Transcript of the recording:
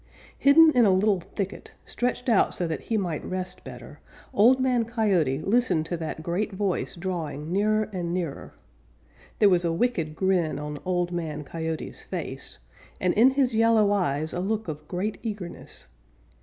Hidden in a little thicket, stretched out so that he might rest better, Old Man Coyote listened to that great voice drawing nearer and nearer. There was a wicked grin on Old Man Coyote's face, and in his yellow eyes a look of great eagerness.